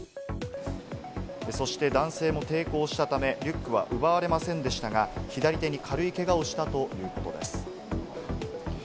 そして男性も抵抗したためリュックは奪われませんでしたが、左手に軽いけがをしたということです。